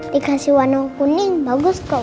dikasih warna kuning bagus gak pak